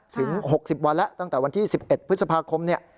ถึง๖๐วันแล้วตั้งแต่วันที่๑๑พฤษภาคมเนี่ย